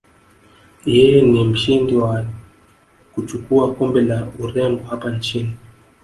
Yeye ni mshindi wa kuchukua kombe la urembo hapa nchini